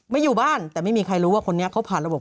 อยู่บ้านแต่ไม่มีใครรู้ว่าคนนี้เขาผ่านระบบ